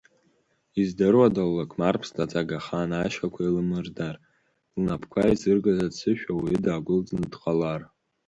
Издыруада, ллақмар ԥсҭаҵагахан ашьхақәа илымырдар, лнапқәа еизыргаз аццышә ауаҩы дагәылҵны дҟалар…